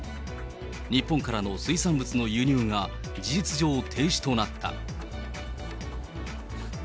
日本からの水産物の輸入が事実上、停止となった。